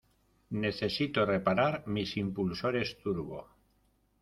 Necesito reparar mis impulsores turbo.